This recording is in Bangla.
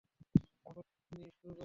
আপনি শুরু করুন?